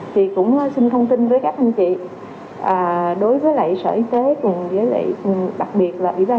thì cũng xin thông tin với các anh chị đối với lại sở y tế cùng với lại đặc biệt là ủy ban